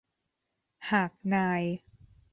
หากนาย